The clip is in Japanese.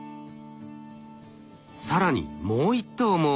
更にもう１頭も。